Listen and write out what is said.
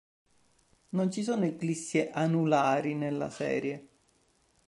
Non ci sono eclissi anulari nella serie.